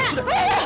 kasih aku aja